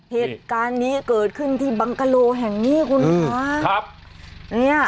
เหตุการณ์นี้เกิดขึ้นที่บังกะโลแห่งนี้คุณคะ